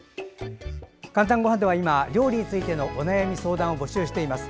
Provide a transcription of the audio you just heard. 「かんたんごはん」では今料理についてのお悩み、相談を募集しています。